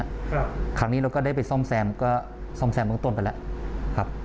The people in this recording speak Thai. ครับครั้งนี้เราก็ได้ไปซ่อมแซมก็ซ่อมแซมเมืองต้นไปแล้วครับ